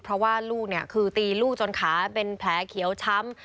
เพราะว่าลูกคือตีลูกจนขาเป็นแผลเขียวช้ำ